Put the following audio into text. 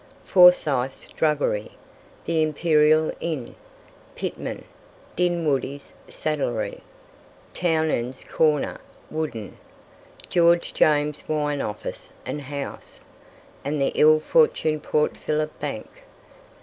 Forsyth's druggery, the Imperial Inn, Pittman, Dinwoodie's saddlery, Townend's corner (wooden), George James's wine office and house, and the ill fortuned Port Phillip Bank.